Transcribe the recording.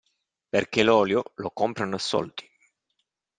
Perché l'olio lo comprano a soldi.